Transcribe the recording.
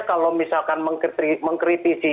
kalau misalkan mengkritisi